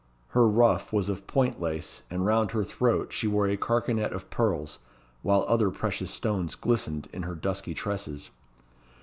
Her ruff was of point lace, and round her throat she wore a carcanet of pearls, while other precious stones glistened in her dusky tresses.